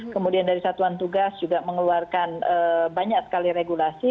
kemudian dari satuan tugas juga mengeluarkan banyak sekali regulasi